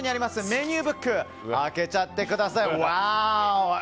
メニューブック開けちゃってください！